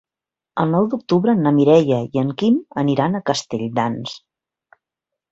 El nou d'octubre na Mireia i en Quim aniran a Castelldans.